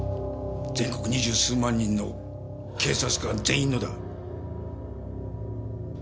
全国二十数万人の警察官全員のだ。